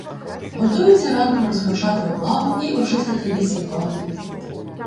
Готуються ранком розпочати облаву і очистити ліс від "банди".